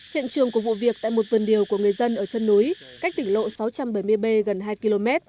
hiện trường của vụ việc tại một vườn điều của người dân ở chân núi cách tỉnh lộ sáu trăm bảy mươi b gần hai km